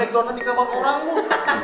aku kadang kadang mokapfont mont